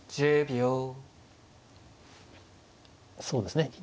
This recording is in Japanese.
そうですね。